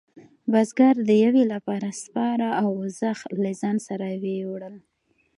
بزگر د یویې لپاره سپاره او زخ له ځانه سره وېوړل.